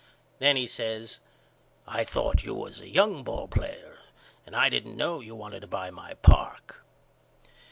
Then he says I thought you was a young ballplayer and I didn't know you wanted to buy my park.